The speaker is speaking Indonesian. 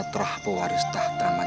terah pewaris tahta majapahit